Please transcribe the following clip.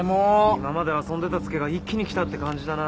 今まで遊んでたツケが一気に来たって感じだな。